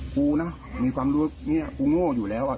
กูนะมีความรู้เนี่ยกูโง่อยู่แล้ว